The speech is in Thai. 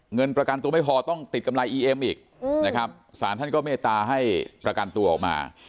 เงินประกันตัวไม่พอต้องติดกำไรอีเอ็มอีกนะครับสารท่านก็เมตตาให้ประกันตัวออกมา